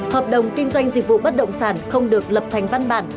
hợp đồng kinh doanh dịch vụ bất động sản không được lập thành văn bản